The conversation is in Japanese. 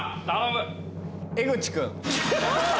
江口君。